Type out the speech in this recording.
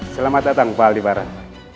selamat datang pak aldi parah